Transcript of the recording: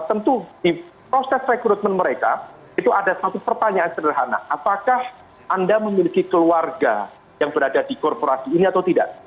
tentu di proses rekrutmen mereka itu ada satu pertanyaan sederhana apakah anda memiliki keluarga yang berada di korporasi ini atau tidak